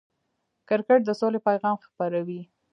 کرکټ د سولې پیغام خپروي.